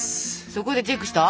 そこでチェックした？